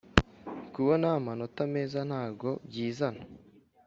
kubona amanota meza ntago byizana